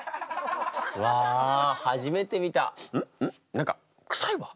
何か臭いわ。